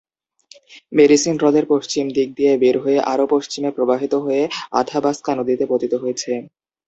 Medicine হ্রদের পশ্চিম দিক দিয়ে বের হয়ে আরো পশ্চিমে প্রবাহিত হয়ে আথাবাস্কা নদীতে পতিত হয়েছে।